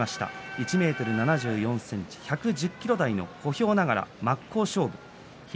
１ｍ７４ｃｍ１１０ｋｇ台の小兵ながら真っ向勝負をしていた石浦です。